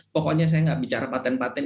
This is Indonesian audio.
pokoknya saya nggak bicara paten patent